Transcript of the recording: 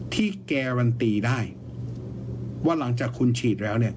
ที่การันตีได้ว่าหลังจากคุณฉีดแล้วเนี่ย